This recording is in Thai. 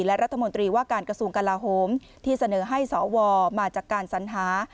และรัฐมนตรีว่าการกระทรวงกลาโฮมที่เสนอให้สวมาจากการสัญหา